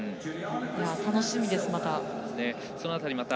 楽しみです、また。